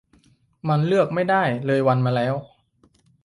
มันเลือกไม่ได้ เลยวันมาแล้ว